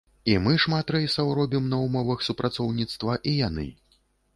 І мы шмат рэйсаў робім на ўмовах супрацоўніцтва, і яны.